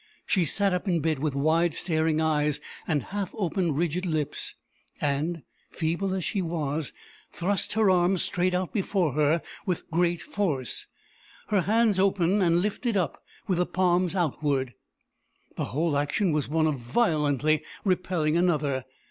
She sat up in bed, with wide staring eyes and half open rigid lips, and, feeble as she was, thrust her arms straight out before her with great force, her hands open and lifted up, with the palms outwards. The whole action was of one violently repelling another.